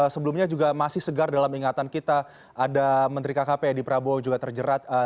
sebelumnya juga masih segar dalam ingatan kita ada menteri kkp edi prabowo juga terjerat